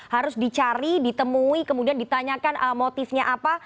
harus dicari ditemui kemudian ditanyakan motifnya apa